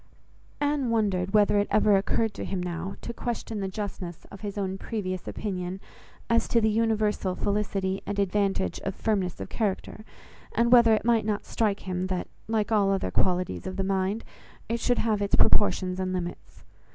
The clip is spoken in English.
Anne wondered whether it ever occurred to him now, to question the justness of his own previous opinion as to the universal felicity and advantage of firmness of character; and whether it might not strike him that, like all other qualities of the mind, it should have its proportions and limits.